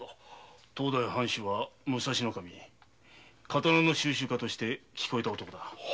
当代の藩主は武蔵守刀の収集家として聞こえた男だ。